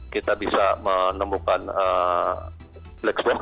kita bisa menemukan black box